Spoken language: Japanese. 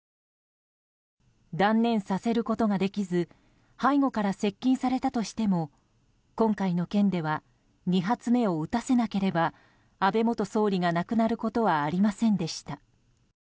断念させることができず背後から接近されたとしても今回の件では２発目を撃たせなければ安倍元総理が亡くなることはありませんでした。